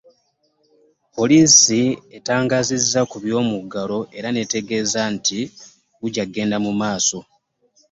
Poliisi etangaazizza ku by'omuggalo era n'etegeeza nti gukyagenda mu maaso